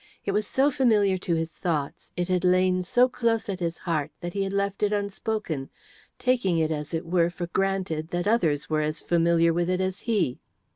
It was so familiar to his thoughts, it had lain so close at his heart, that he had left it unspoken, taking it as it were for granted that others were as familiar with it as he.